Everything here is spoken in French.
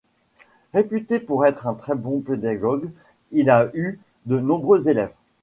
Réputé pour être un très bon pédagogue, il a eu de nombreux élèves.